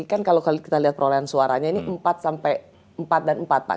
kan kalau kita lihat perolehan suaranya ini empat sampai empat dan empat pak